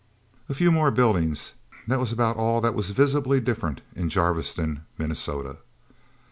A few more buildings that was about all that was visibly different in Jarviston, Minnesota.